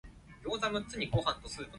必發道